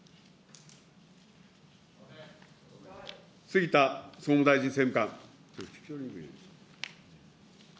杉田総務大臣政務官。